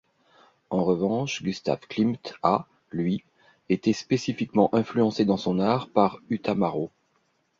En revanche, Gustav Klimt a, lui, été spécifiquement influencé dans son art par Utamaro.